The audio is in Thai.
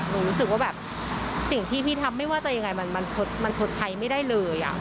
รู้สึกว่าแบบสิ่งที่พี่ทำไม่ว่าจะยังไงมันชดใช้ไม่ได้เลย